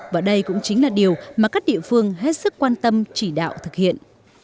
và đây cũng chính là điều mà các địa phương hết sức quan tâm chỉ đạo thực hiện